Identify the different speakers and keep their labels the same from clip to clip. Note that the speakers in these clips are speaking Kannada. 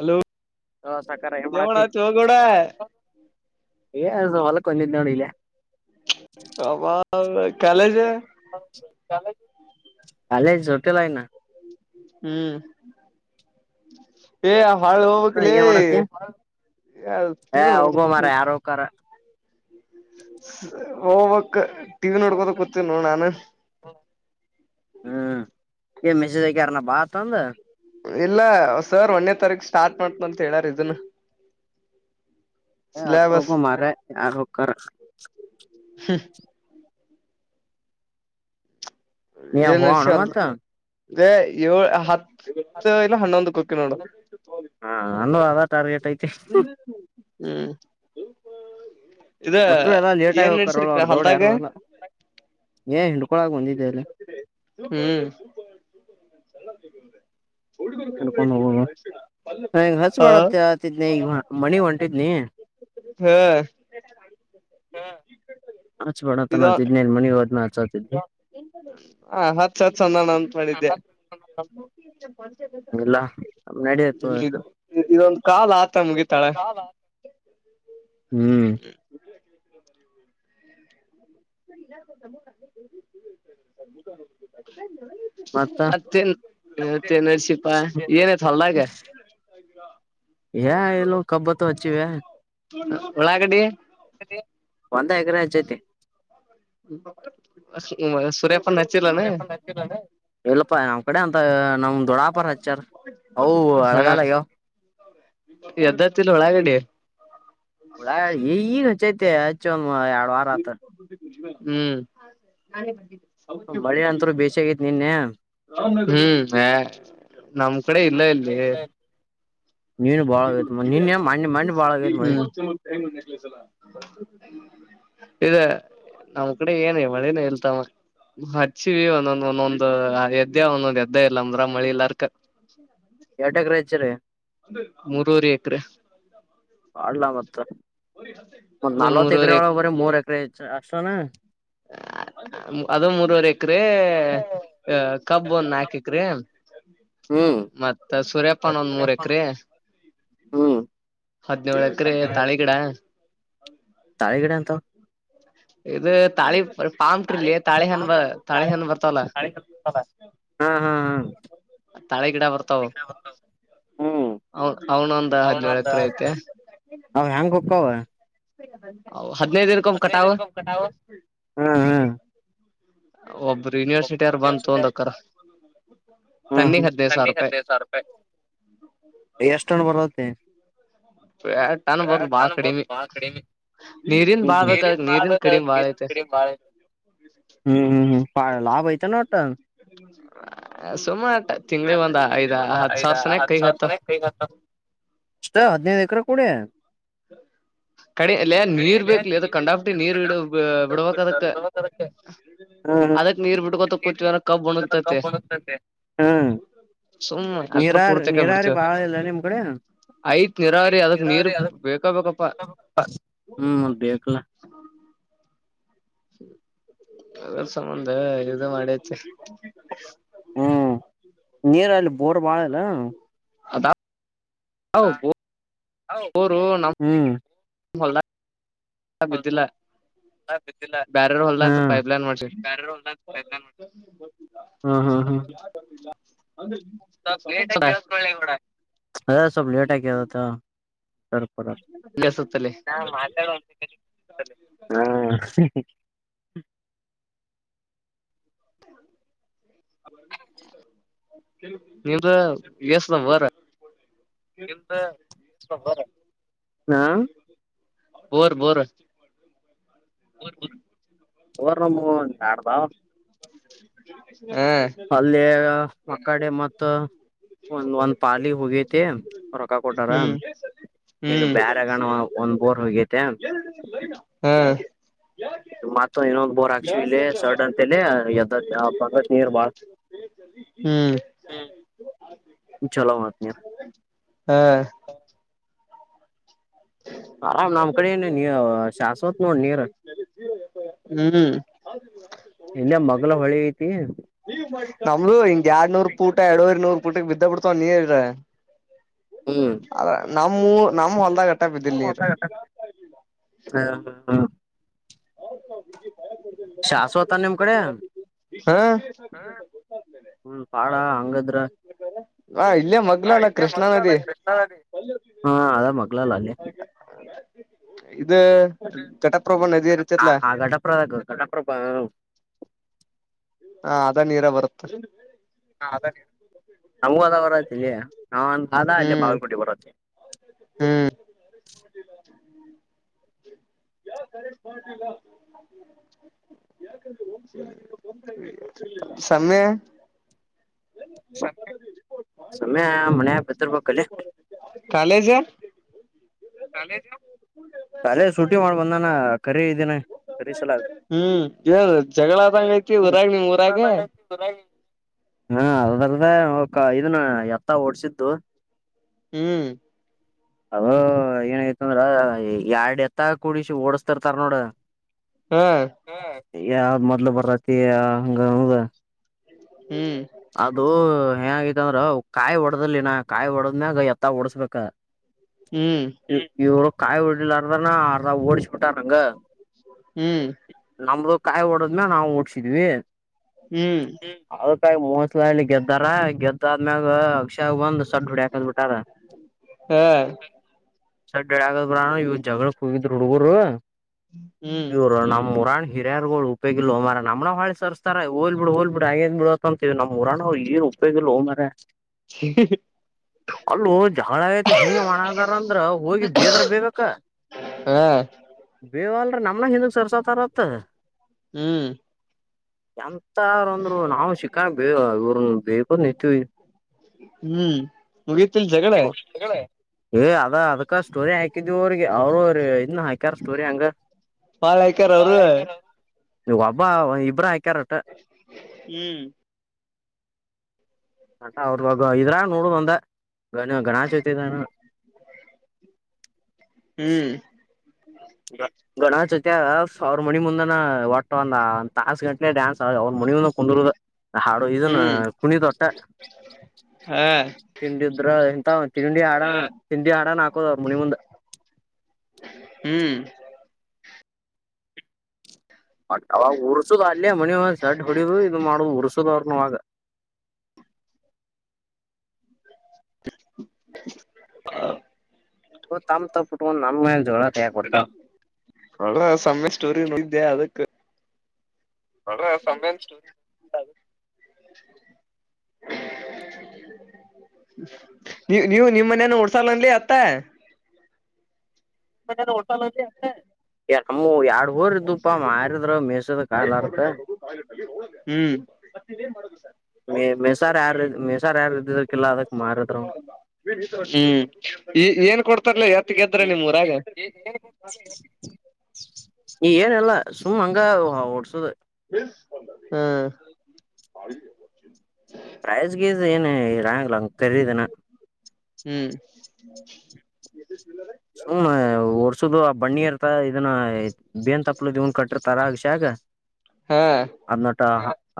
Speaker 1: ಹಲೋ.
Speaker 2: ಹಲೋ ಸಾಕಾರ ಏನ್ ಮಾಡತಿ
Speaker 1: [unintelligible]
Speaker 2: ಹೇಳ ಹೊಲಕ್ಕೆಬಂದಿದೆ ನೋಡ್ ಇಲ್ಲೆ.
Speaker 1: [unintelligible] ಕಾಲೇಜು
Speaker 2: [unintelligible] ಕಾಲ ಜೊತೆಲ್ಲ ಇನ್ನ
Speaker 1: ಹ್ಮ್ ಏ ಹಾಳ ಹೋಗಬೇಕ್ಲೇ
Speaker 2: ಏನ್ ಮಾಡತಿ
Speaker 1: ಟಿವಿ ನೋಡ್ಕ.
Speaker 2: ಹಾ
Speaker 1: ಹೋಗ್ಬೇಕ್ ಟಿವಿ ನೋಡ್ಕೋತ್ ಕೂತಿನ್ ನೋಡು ನಾನು.
Speaker 2: ಹ್ಮ್ ಮೆಸೇಜ್ಹಾಕೇರೆನ ಬಾ ಅಂತ
Speaker 1: ಇಲ್ಲ ಸರ್ ಒಂದನ್ನೇ ತಾರೀಕು ಸ್ಟಾರ್ಟ್ ಮಾಡ್ತೀನಿ ಅಂತ ಹೇಳಾರ ಇದನ್ನ್. ಸಿಲೆಬಸ್
Speaker 2: [unintelligible]
Speaker 1: ಹ್ಮ.
Speaker 2: ನೀ
Speaker 1: ಏನ್
Speaker 2: ಹೋಗೋಣ
Speaker 1: ವಿಷಯ ಅಲ್
Speaker 2: ಮತ್ತ
Speaker 1: ಏಳ್ ಹತ್ತು ಇಲ್ಲ ಹನ್ನೊಂದು ಹೊಕ್ಕಿ ನೋಡ್.
Speaker 2: ಹಾ ಅನ್ನು ಟಾರ್ಗೆಟ್ ಐತೆ.
Speaker 1: [unintelligible] ಹ್ಮ ಇದ
Speaker 2: ಅಷ್ಟರು ಎಲ್ಲ ಲೇಟ್ ಆಗಿ
Speaker 1: ಏನ್
Speaker 2: ಹೋಗಾರ
Speaker 1: ನಡ್ಸಿರ್ಕ
Speaker 2: ಅವ್ರ ದೋಡ್
Speaker 1: ಹೊಲ್ದಾಗ
Speaker 2: ಯಾರು ಎಲ್ಲ ಏ ಹಿಂಡ್ಕೊಲಾಕ ಬಂದಿದ್ದೆ ಇಲ್ಲೇ.
Speaker 1: ಹ್ಮ.
Speaker 2: ಹಿಡ್ಕೊಂಡ್ ಹೋಗೋದು ಹಂಗ
Speaker 1: [unintelligible] ಆ
Speaker 2: ಹಚ್ಬೇಡತ್ತ ಆತಿದ್ನಿ ಈಗ ಮನಿ ಹೊಂಟಿದ್ನಿ
Speaker 1: ಹ
Speaker 2: [unintelligible] ಇನ್ನ ಮನಿ ಹೋದ್ಮೇಲ ಹಚ್ಚತಿದ್ನಿ.
Speaker 1: ಹಾ ಹಚ್ಚ ಹಚ್ಚ ಅಂದನ ಅಂತ ಮಾಡಿದ್ದೆ.
Speaker 2: ಇಲ್ಲ
Speaker 1: [unintelligible]
Speaker 2: ನಡೀತು
Speaker 1: ಇದ ಇದೊಂದ ಕಾಲ್ ಆತ ಮುಗಿತಳ.
Speaker 2: ಹ್ಮ.
Speaker 1: [unintelligible]
Speaker 2: ಮತ್ತ
Speaker 1: ಮತ್ತೆನ ಮತ್ತೆ ನಶಿಪಾ ಏನತ್ ಹೊಲ್ದಾಗ.
Speaker 2: ಯ ಇಲ್ಲೋ ಕಬ್ಬತ್ತು ಅಚ್ಚಿವ್ಯಾ.
Speaker 1: ಉಳಗಡ್ಡಿ.
Speaker 2: ಒಂದ ಎಕ್ರ ಹಚ್ಚೈತಿ.
Speaker 1: ಅ ಸು ಸೂರ್ಯ
Speaker 2: [unintelligible] ಇಲ್ಲಪ್ಪಾ ನಮ್ಮ ಕಡೆ ಅಂತ ನಮ ದೊಡಾಪರ ಹಚ್ಚಾರ. ಅವ ಅಳಗಾಲ ಅಗ್ಯಾವ.
Speaker 1: ಎದ್ದತ್ತಲಿ ಉಳಾಗಡ್ಡಿ.
Speaker 2: ಉಳಾ ಈಗ ಹಚ್ಚೈತ ಹಚ್ಚ ಒಂದ ಯಾಡ ವಾರ ಆತ.
Speaker 1: ಹ್ಮ.
Speaker 2: ಮಳೆ ಅಂತ್ರು ಬೇಷ ಆಗತಿ ನಿನ್
Speaker 1: ಹ್ಮ ಎ ನಮ್ಮ ಕಡೆ ಇಲ್ಲ ಇಲ್ಲೆ.
Speaker 2: ನೀನು ಬಾಳ
Speaker 1: ಹ್ಮ್
Speaker 2: ಆಗೈತ್ ನಿನ್ನೆ
Speaker 1: [unintelligible]
Speaker 2: ಮಣ್ಣಿ ಮಣ್ಣಿ ಬಾಳ ಆಗೈತ್ ಮಳಿ
Speaker 1: ಇದ ನಮ್ಮ ಕಡೆ ಏನ ಮಳಿನ ಇಲ್ಲ ತಮ್ಮ. ಹಚ್ಚಿ ಒಂದೊಂದ ಒಂದೊಂದ ಎದ್ದ ಒಂದೊಂದ ಎದ್ದ ಇಲ್ಲ ಅಂದ್ರ ಮಳಿ ಇಲ್ಲಾರ್ಕ. [inaudible]
Speaker 2: ಎಟ್ಟ ಏಕರಿ ಹಚ್ಚರೀ.
Speaker 1: ಮೂರವರೇ ಎಕರೆ.
Speaker 2: ಪಾಡ್ಲ ಮತ್ತ
Speaker 1: ಅದು
Speaker 2: ನಲ್ವತ್ತ ಎಕರೆ
Speaker 1: ಮೂರವರೆ ಎಕ
Speaker 2: ಒಳ ಬರ ಮೂರ್ ಎಕರೆ ಅಚ್ಚ ಅಷ್ಟನ.
Speaker 1: ಅದು ಮೂರುವರೆ ಎಕ್ರೆ. ಅ ಕಬ್ಬ ಒಂದ ನಾಕ ಎಕ್ರಿ
Speaker 2: ಹ್ಮ್
Speaker 1: ಮತ್ತ ಸೂರ್ಯಾಪಾನ ಒಂದ ಮೂರ ಎಕ್ರಿ.
Speaker 2: ಹ್ಮ್
Speaker 1: ಹದ್ನೇಳ ಎಕ್ರೆ ತಾಳಿಗಿಡ.
Speaker 2: ತಾಳಗಡ ಅಂತ
Speaker 1: ಇದ ತಾಳಿ ಪಾಮಟಿರ್ಲಿ ತಾಳಿಹಣ್ಣ ತಾಳಿಹಣ್ಣ ಬರ್ತಲ್ಲ.
Speaker 2: ಹಾ ಹಾ ಹಾ
Speaker 1: [inaudible] ತಾಳ ಗಿಡ ಬರ್ತಾವ
Speaker 2: ಹ್ಮ್
Speaker 1: ಅವನ ಒಂದ
Speaker 2: ಅವನೊಂದ
Speaker 1: ಹದ್ನೇಳಕ್ರ ಐತ.
Speaker 2: ಅವ ಹೆಂಗ ಹೋಕ್ಕವ.
Speaker 1: ಅವ್ ಹದ್ನೈದ ದಿನಕಮ್ಮ ಕಟವು.
Speaker 2: ಇರ್ಕೊ ಕಟಾವ ಹಾ ಹಾ
Speaker 1: ಒಬ್ರ ಯೂನಿವರ್ಸಿಟಿರ ಬಂದ ತುಗೊಂಡ ಹೊಕ್ಕರ.
Speaker 2: ಹ್ಮ ತನ್ನಿ
Speaker 1: ರೂಪಾಯಿ
Speaker 2: ಹದ್ದನೈದ ಸಾರಪಾಯಿ ಎಷ್ಟನ ಬರತ್ತತಿ.
Speaker 1: ಟನ್ ಬರೋದ್ ಬಾಳ
Speaker 2: [unintelligible]
Speaker 1: ಕಡಿಮಿ
Speaker 2: ಬ ಕಡಿಮಿ.
Speaker 1: ನೀರಿನ್ ಬಾಳ್ ಬೇಕ ಅದಕ್ ನೀರಿನ್ ಕಡಿಮಿ ಬಾಳ ಐತೆ
Speaker 2: [unintelligible]
Speaker 1: ಸುಮ್ಮ ಅಟ್ಟ ತಿಂಗ್ಳಿಗ ಒಂದ ಐದ್ ಹತ್ತ ಸಾವರ ಸನಕ ಕೈಗ ಹತ್ತಾವ.
Speaker 2: ಎಷ್ಟ ಹದಿನೈದು ಎಕರೆ ಕೂಡ.
Speaker 1: ಕಡೆ ಅಲ್ಲ
Speaker 2: ಕಡಿ
Speaker 1: ನೀರ್
Speaker 2: ಲೇ
Speaker 1: ಬೇಕ್ಲೇ ಅದ ಕಂಡಾಪಟ್ಟಿ ನೀರ್
Speaker 2: ಕಂಡಾಪಟ್ಟಿ ನೀರ್
Speaker 1: ಬಿಡಬೇಕು ಅದಕ್ಕ.
Speaker 2: ಬಿಡ್ಬೇಕ್ ಅದಕ್ಕ ಹ್ಮ್
Speaker 1: ಅದಕ್ ನೀರ್ ಬಿಟ್ಕೊತ ಕುೂತ್ವಿರಕಬ್ಬು ಒಣಗ್ತೈತಿ.
Speaker 2: ಕಬ್ಬು ಒಣಗ್ತತೆ ಹ್ಮ್
Speaker 1: ಸುಮ್ಮ
Speaker 2: ನೀರಾರಿ ನೀರಾರಿ
Speaker 1: [unintelligible]
Speaker 2: ಬಾಳ ಇಲ್ಲ ನಿಮ್ ಕಡೆ
Speaker 1: ಆಯ್ತು ನೀರಾವರಿ
Speaker 2: ಐತ್
Speaker 1: ಅದಕ್ ನೀರ್
Speaker 2: ನೀರಾವರಿ ಅದ
Speaker 1: ಬೇಕೆ ಬೇಕಪ್ಪ.
Speaker 2: ಹ್ಮ್
Speaker 1: ಹ
Speaker 2: ಬೇಕಲ್ಲ
Speaker 1: [inaudible] ಅದ ಸಂಬಂಧ ಇದು ಮಾಡಿಚ್ಚ.
Speaker 2: ಹ್ಮ್ ನೀರ ಅಲ್ಲಿ ಬೋರ್ ಬಾಳ್ ಅದ.
Speaker 1: [inaudible]
Speaker 2: ಹ ಹ್ಮ್.
Speaker 1: ಹೋಲ್ಡಾಗ್. ಬಿದ್ದಿಲ್ಲ.
Speaker 2: ಬಿದ್ದಿಲ್ಲ
Speaker 1: ಬ್ಯಾರ್ ಹೊಲ್ದ ಸ್ವಲ್ಪ ಪೈಪ್ ಲೈನ್ ಮಾಡ್ಸಿ.
Speaker 2: ಬ್ಯಾರೆರ್ ಹೊಲ್ದಾಗ ಹಾ ಹಾ ಹಾ
Speaker 1: ಅಂದ್ರೆ
Speaker 2: ಸ್ವಲ್ಪ ಲೇಟೆಗಿ ಕೇಳಿಸ್ಕೊ ಸ್ವಲ್ಪ್ ಲೇಟ ಆಗಿ ಕೇಳಿಸ್ಕೊಳ್ಳಿ ಬಿಡೋ.
Speaker 1: ಸುತ್ತಲ್ಲಿ
Speaker 2: ಹಾ
Speaker 1: [unintelligible]
Speaker 2: ಹಾ.
Speaker 1: Bore bore.
Speaker 2: ಬೋರ್ ಒಂದು [unintelligible]
Speaker 1: ಹಾ
Speaker 2: ಅಲ್ಲಿ ಮಕ್ಕಡೆ ಮತ್ತ್ ಒಂದ ಒಂದ್ ಪಾಣಿ ಹೋಗೇತಿ. ರೊಕ್ಕ ಕೊಟಾರ
Speaker 1: ಹ್ಮ್
Speaker 2: ಹಿಂಗ
Speaker 1: ಹ್ಮ್ ಹ್ಮ್
Speaker 2: ಬ್ಯಾರಗಣ ಒಂದ್ ಬೋರ್ ಹೋಗೇತೆ..
Speaker 1: ಹಾ
Speaker 2: ಮತ್ತ್ ಇನ್ನೊಂದ್ ಬೋರ್ ಹಾಕ್ಸಿ ಇಲ್ಲಿ ಸರ್ಡ್ ಅಂತಲೆ ನೀರ್ ಬಾಳ್.
Speaker 1: ಹ್ಮ್
Speaker 2: ಹ್ಮ್ ಚಲೋ ಮಧ್ಯ
Speaker 1: ಹಾ
Speaker 2: ಆರಾಮ್ ನಮ್ಮ ಕಡೆ ಏನ ನೀ ಶಾಶ್ವತ್ ನೋಡ್ ನೀರ್.
Speaker 1: ಹ್ಮ್ [inaudible]
Speaker 2: ಇನ್ಯ ಮಗ್ಲ ಹೊಳಿ ಐತಿ.
Speaker 1: ನಮ್ಲುು ಹಂಗ್ ಎರಡ್ನೂರ್ ಪೂಟ ಎರಡೂರ್ ನೂರು ಪೂಟಗೆ ಬಿದ್ದ ಬಿಡ್ತವ ನೀ ಹೇಳಲ್ರ.
Speaker 2: ಹ್ಮ್
Speaker 1: ಆ ನಮ್ಮೂ ನಮ್ಮ ಹೊಲ್ದಾಗ. ಅಟ್ಟ ಬಿದ್ದಿಲ್
Speaker 2: ಹಾ
Speaker 1: ನೀರ್
Speaker 2: ಹ್ಮ್
Speaker 1: [unintelligible]
Speaker 2: ಶಾಶ್ವತ ನಿಮ್ಮ ಕಡೆ.
Speaker 1: ಹಾ
Speaker 2: ಹ್ಮ್ ಪಾಡ ಹಂಗಾದ್ರೆ
Speaker 1: ಹಾ ಇಲ್ಲೇ ಮಗ್ಲು ಅಲ್ಲ ಕೃಷ್ಣಾ
Speaker 2: ಮಗ್ಲಲ್ಲ
Speaker 1: ನದಿ.
Speaker 2: ಹಾ ಅದ ಮಗ್ಲಾ ಅಲ್ಲ ಅಲ್ಲಿ.
Speaker 1: ಇದು ಘಟಪ್ರಭಾ ನದಿ ಇರತಿಲಾ.
Speaker 2: ಆ ಘಟಪ್ರಭಾ. ಘಟಪ್ರಭಾ ಹ್ಮ್
Speaker 1: ಹಾ ಅದ್ ನೀರ್ ಬರುತ್ತರೀ
Speaker 2: ನಮ್ಗೂ ಅದ ಬರತ್ತ್ ಇಲ್ಲಿ ನಾಂದ ಅಲ್ಲೇ ಬಾಗಲಕೋಟೆ ಬರುತ್ತೆ
Speaker 1: ಹುಂ [unintelligible] [unintelligible]
Speaker 2: ಸಮ್ಯಾಯ ಮನೆಯಾಗ ಬಿದ್ದಿರಬೇಕಲ್ಲೇ
Speaker 1: ಕಾಲೇಜಾ
Speaker 2: ಕಾಲೇಜು ಕಾಲೇಜ್ ಸೂಟಿ ಮಾಡಿ ಬಂದಾನ ಖರೀ ದೀನ ಕರೀ ಸಲಾಗಿ.
Speaker 1: ಹ್ಮ್ ಏನ್ ಜಗಳ ಆದಂಗ ಊರಾಗ ನಿಮ್ಮ ಊರಾಗ
Speaker 2: ಹಾ ಅದಲ್ಲದೇ ಇದನ್ನ ಎತ್ತಾ ಓಡ್ಸಿದ್ದು.
Speaker 1: ಹುಂ
Speaker 2: ಅದನ್ನು ಏನಯತಂದ್ರ ಎರ್ಡ್ ಎತ್ತ ಕುಡಿಸಿ ಓಡಸ್ತಿರ್ತಾರ ನೋಡ್.
Speaker 1: ಹಾ
Speaker 2: ಹುಂ ಯಾವ್ ಮೊದ್ಲು ಬರತಿ ಹಂಗ್ ಅನುದ
Speaker 1: ಹುಂ
Speaker 2: ಅದು ಹೆಂಗಗೈತ ಅಂದ್ರ ಕಾಯಿ ಒಡ್ದಲಿನ ಕಾಯಿ ಒಡದಮ್ಯಾಗ ಎತ್ತ ಒಡಸಬೇಕ
Speaker 1: ಹುಂ
Speaker 2: ಇವರು ಕಾಯಿ ವಡಿಲಾರ್ದನ ಅರ್ಧ ಓಡಿಸಿಬಿಟ್ಟರಾ ಹಂಗ
Speaker 1: ಹುಂ
Speaker 2: ನಮ್ದು ಕಾಯಿ ಓಡದ ಮೇಲೆ ನಾವು ಓಡ್ಸಿದ್ವಿ
Speaker 1: ಹಂ
Speaker 2: ಅದಕಾಯಿ ಮೋಸಲಳ್ಳಿ ಗೆದ್ದಾರ ಗೆದ್ದಾದ್ಮ್ಯಾಗ ಅಕ್ಷ್ಯಾ ಬಂದ ಸಡ ಹೋಡ್ಯಾಕಬಿಟಾರ
Speaker 1: ಹಾ
Speaker 2: ಸಡ ಹೊಡ್ ಆಗ ಇವ ಜಗಳಕ ಹೋಗಿದವು ಹುಡುಗರು
Speaker 1: ಹ್ಮ್
Speaker 2: ಇವ್ರು ನಮ್ಮ ಊರಾಣ ಹಿರಿಯರುಗಳು ಉಪಯೋಗ ಇಲ್ಲೋ ಮಾರಾಯ ನಮನ ಹಿಂದ್ ಸರಸ್ತಾರ ಹೋಲಿ ಬಿಡ್ ಹೋಲಿ ಬಿಡ್ ಆಗಿತ್ತೀ ಬಿಡ ತೀವಿ ನಮ್ ಊರಾಗಿನವರ ಎನ್ ಉಪಯೋಗಿಲ್ಲೋ ಮಾರಾಯಾ
Speaker 1: ಹುಂ [inaudible]
Speaker 2: ಅಲ್ಲೋ ಜಗಳ ಆಯ್ತ ಹಿಂಗ್ ಮಾಡಕತಾರ ಅಂದ್ರ ಹೋಗಿ ಬೇದ್ರ ಬೈಬೆಕ
Speaker 1: ಹಾ
Speaker 2: ಬೈವಲ್ರಿ ನಮನ ಹಿಂದಕ ಸರಸಾಕತಾರತರೀ
Speaker 1: ಹುಂ
Speaker 2: ಎಂತಾ ಒಂದ್ರು ನಾವು ಸೀ
Speaker 1: ಹ್ಮ್ ಮುಗೀತಿಲ್ ಜಗಳ
Speaker 2: [unintelligible] ಏ ಅದ ಅದಕ್ಕ ಸ್ಟೋರಿ ಹಾಕಿದಿವ ಅವ್ರಿಗೆ ಅವರು ಇದನ್ ಹಾಕ್ಯಾರ ಸ್ಟೋರಿ ಹಂಗ
Speaker 1: ಬಾಳ ಆಯ್ಕಾರ ಅವರು
Speaker 2: ಒಬ್ಬ ಇಬ್ರ ಹಾಕ್ಯಾರಟ
Speaker 1: ಹುಂ
Speaker 2: ಅಟ ಅವ್ರಾಗ ಇದ್ರಾಗ ನೋಡ ಒಂದ ಗಣ ಗಣಚೌತಿ ದಿನ
Speaker 1: ಹುಂ
Speaker 2: ಗಣಾಚೌತ್ಯಾಗ ಸಾವಿರ ಮಣಿ ಮುಂದನ ಒಟ ಒಂದ್ ತಾಸ ಗಂಟಲೆ ಡ್ಯಾನ್ಸ್ ಆದ ಅವ್ರ ಮನಿ ಮುಂದ ಕುಂದರುದ ದಾರು ಇದನ್
Speaker 1: ಹ್ಮ್
Speaker 2: ಕುಣಿಯೋದ ಅಟ್ಟ
Speaker 1: ಹಾ
Speaker 2: ತಿಂಡಿ ಇದ್ರ ಎಂತ ತಿಂಡಿ ಹಾಡಾ ತಿಂಡಿ ಹಾಡಾನ ಹಾಕೋದ ಮುನಿ ಮುಂದ್
Speaker 1: ಹ್ಮ್
Speaker 2: ಬಟ್ ಅವಾಗ ಉರ್ಸುದ ಅಲ್ಲೇ ಮನಿ ಒಂದ್ ಸಡ್ ಹೊಡಿದು ಇದು ಮಾಡ್ ಉರ್ಸದವ್ರನುವಾಗ.
Speaker 1: ಹ
Speaker 2: ತ ತಮ್ ತಪ್ಪು ಇಟ್ಕೊಂಡು ನಮ್ಮಗ ನ ಜೋರ ತ ಕೊಡ್ತ
Speaker 1: ಒಳ ಸಮ್ಮೆ ಸ್ಟೋರಿ ನೋಡಿದ್ದೆ ಅದಕ್
Speaker 2: ಒಡ್ರೆ [unintelligible] ಅಂತ್
Speaker 1: ಹ ನೀ ನೀವು ನಿಮೊ ಮನೇನೂ ಹೊಡ್ಸಲ್ಲಿ ಅತ್ತ
Speaker 2: ಮ ಓಡ್ಸೋಲೋ ಹತ ನಮ್ಮ ಎರಡ್ ಬೋರ್ ಇದ್ದುಪ್ಪಾ ಮಾರಿದ್ರ ಮೇಸದ ಕಾಯಾಲಾರ್ಕ
Speaker 1: ಹ್ಮ್ ಮತ್ತ ಮಾಡ
Speaker 2: ಮ ಮಿಸಾರ್ ಯಾರ ಮಿಸಾರ್ ಯಾರ ಇದಕಲ್ಲ ಅದಕ್ ಮಾರಿದ್ರು
Speaker 1: ಹ್ಮ್ ಈ ಏನ್ ಕೊಡ್ತಾರಲ್ಲೇ ಎತ್ತ ಗೆದ್ರ ನಿಮ್ಮೂರಾಗ.
Speaker 2: ಎಂದ ಈ ಏನಿಲ್ಲ ಸುಮ್ಮ್ ಹಂಗ ಹೊಡ್ಸದು
Speaker 1: ಹಾ ಹ್ಮ್
Speaker 2: ಪ್ರೈಜ್ಗೆ ಏನ ರಂಗಲಂಗ ಕರೀದನ
Speaker 1: ಹ್ಮ್
Speaker 2: ಹು ಒರ್ಸದು ಆ ಬಣ್ಣಿ ಇರ್ತ ಇದನ್ನ ಬೆೇಂದ ತಪ್ಪಲು ದವನ್ ಕಟ್ಟ್ರ ತರಾಗ ಶಾಗ
Speaker 1: ಹಾ
Speaker 2: ಅದ್ ನಟ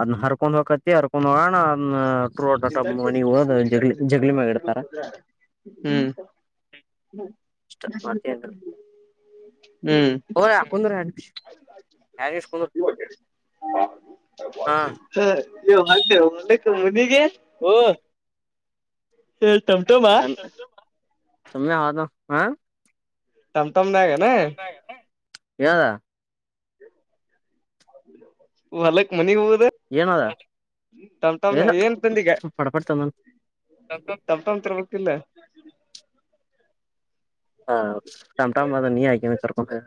Speaker 2: ಅದನ್ನ ಹರ್ಕೊಂಡ್ ಹೋಗಕತಿ ಹರ್ಕೊಂಡ್ ಹೋಗೋಣ ಅದನ್ನ ನೋಟಟ ನೀ ಹ ಜ ಜಗಳಿ ಮ್ಯಾಗ ಇಡ್ತಾರ. ಇಷ್ಟ ಮತ್ತೇನ್ರಿ
Speaker 1: ಹ್ಮ್ ಹ್ಮ್
Speaker 2: ಓ ರ ಹಾಕಂದ್ರೂ ಹ ಹಾ
Speaker 1: ಹ ಮಾಡ್ಕ್ಕೆ ಮುನಿಗೆ
Speaker 2: ಹಓ
Speaker 1: ಹಳ್ತ್ ಟಮಮ್ಮಾ
Speaker 2: ಸಮಯ ಅದು ಹಾ
Speaker 1: ತಮ ತಮ್ ನ್
Speaker 2: ಏನಾದ
Speaker 1: ಹ ಹೊಲಕ್ ಮನೆಗ್ ಹೋಗದ.
Speaker 2: ಏನ ಅದ ಎಲ್ಲ
Speaker 1: ಏನ್ ತಂದಿಗ
Speaker 2: ಸ್ವಡ ಪಡ್ಪಡ್ತಂದ್
Speaker 1: ಅಂತರ ಗೊತ್ತಿಲ್ಲ
Speaker 2: ಹಾ ಶಮಟಾಮ ನೀ ಆಯಕರ್ ಓಕೆ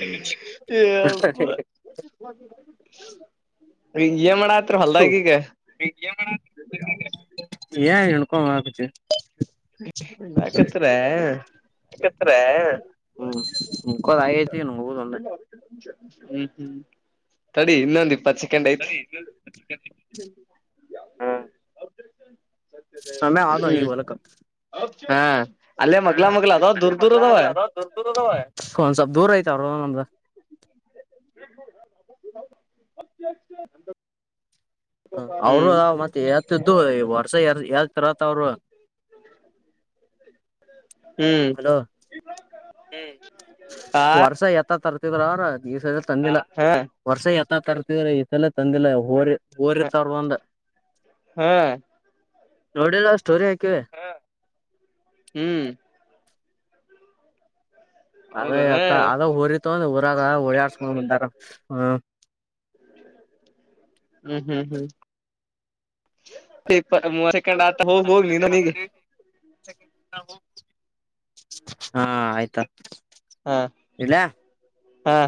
Speaker 2: [unintelligible]
Speaker 1: ಇ ಮಾಡಡ ಹತ್ರ ಹೊಲ್ದ ಈಗ
Speaker 2: ಏ ಎನುಕ ಮಾಡಕತ್ತಿ.
Speaker 1: ನಾಕತ್ರೆ
Speaker 2: ಹತ್ೆ ಹ್ಮ್ ಮುಕೋದ ಆೈತಿ ನಂಗ ಹದೊಂದೆ [unintelligible]
Speaker 1: ಹ್ಮ್ ಹ್ಮ್ ತಡಿ ಇನ್ನೊಂದು ದೀಪ ಹಚ್
Speaker 2: ಸರಿ ಹ್ಮ್ ಸಮೆ ಆದೆ ಈ
Speaker 1: ಹ್ಮ್
Speaker 2: ಹೊಲಕ
Speaker 1: ಹಾ ಅಲ್ಲೇ ಮಗ್ಲ ಮಲ ಅದಾವ
Speaker 2: ಅಲ್ಲೇ
Speaker 1: ದೂರ್ ದೂರ್
Speaker 2: ಮಗ್ಲ
Speaker 1: ಅದಾವ
Speaker 2: ಮಗ್ಲ ಒಂದ್ ಸ್ವಲ್ಪ್ ದೂರ ಐತಾವ ಅವರು ನಮ್ದ ಅವರು
Speaker 1: ಹ್ಮ್
Speaker 2: ಮತ್ತ್ ಹೇಳ್ತಿದ್ದು ವರ್ಷ ಎ ಹೇಳ್ತಿರತ್ ಅವರೂ
Speaker 1: [unintelligible] ಹ್ಮ್
Speaker 2: ಹಲೋ ಹ್ಮ್
Speaker 1: ಆ
Speaker 2: ವರ್ಷ ತ್ತ ತರ್ತಿದ್ರ ದಿವಸ ತಂದಿಲ್ಲ.
Speaker 1: ಹಾ
Speaker 2: ವರ್ಷ ಎತ್ತ ತರ್ತಿದ್ರ ಈ ಸಲ ತಂದಿಲ್ಲ ಹೋರಿ. ಹೋರಿ ಇರ್ತವರ್ ಒಂದೆ
Speaker 1: ಹಾ
Speaker 2: ನೋಡಿಲ್ಲ ಸ್ಟೋರಿ ಹಾಕಿವಿ
Speaker 1: ಹ್ಮ್
Speaker 2: ಅದೇ
Speaker 1: ಹೌದಾನ
Speaker 2: ಎತ್ತ ಅದ ಊರಿತಂದ ಊರಾಗ ಓಡಯಾಡ್ಸ್ಕೊಂಡ್ ಬಂದಾಗ.
Speaker 1: ಹ್ಮ್ ಹ್ಮ್ ಹ್ಮ್ ಮೂವ ಸೆಕ್ ಆತ ಹೋಗ ಹೋಗ ನೀನು ನೀಗೆ.
Speaker 2: ಹಾ ಆಯ್ತಾ.
Speaker 1: ಹಾ
Speaker 2: ಇಡ್ಲ್ಯಾ.
Speaker 1: ಹಾ